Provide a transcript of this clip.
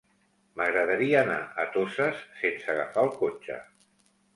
M'agradaria anar a Toses sense agafar el cotxe.